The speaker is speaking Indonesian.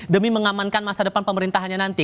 demi mengamankan masa depan pemerintahannya nanti